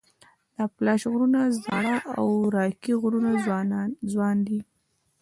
د اپلاش غرونه زاړه او راکي غرونه ځوان دي.